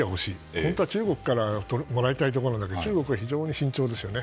本当は中国からもらいたいところだけど中国は非常に慎重ですよね。